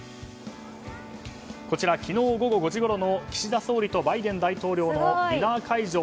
こちら、昨日午後５時ごろの岸田総理とバイデン大統領のディナー会場